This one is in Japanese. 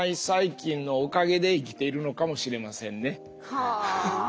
はあ。